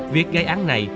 việc gây án này